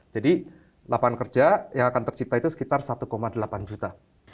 jadi lapangan kerja yang akan tercipta itu sekitar satu delapan juta